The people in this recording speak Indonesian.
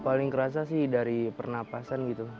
paling kerasa sih dari pernapasan gitu